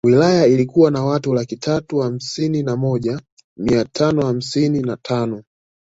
Wilaya ilikuwa na watu laki tatu hamsini na moja mia tano hamsini na tano